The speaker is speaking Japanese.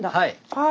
はい。